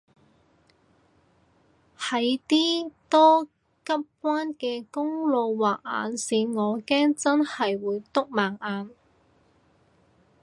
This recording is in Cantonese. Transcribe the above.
喺啲多急彎嘅公路畫眼線我驚真係會篤盲眼